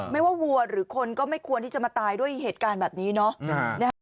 ไม่ว่าวัวหรือคนก็ไม่ควรที่จะมาตายด้วยเหตุการณ์แบบนี้เนาะ